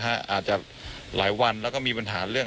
อาจจะหลายวันแล้วก็มีปัญหาเรื่อง